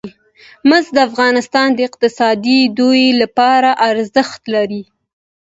مس د افغانستان د اقتصادي ودې لپاره ارزښت لري.